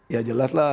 ya jelas lah